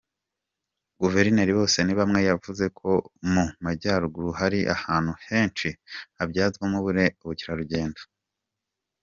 Guverineri Bosenibamwe yavuze ko mu Majyaruguru hari ahantu henshi habyazwamo ubukerarugendo.